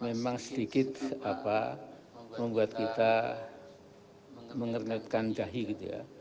memang sedikit membuat kita mengernetkan jahi gitu ya